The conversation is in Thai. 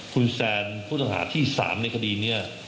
คุณแซนผู้ต้องหาที่๓ในคดีนี้